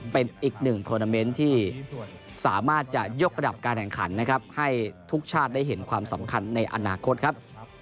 เป็นอีกหนึ่งทวนาเมนต์ที่สามารถจะยกระดับการแข่งขันนะครับให้ทุกชาติได้เห็นความสำคัญในอนาคตครับ